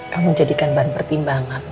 kamu jadikan bahan pertimbangan